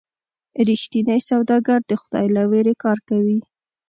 رښتینی سوداګر د خدای له ویرې کار کوي.